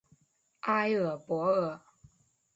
埃尔博尔。